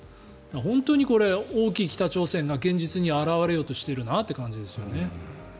本当にこれ、大きい北朝鮮が現実に現れようとしているなという感じですよね。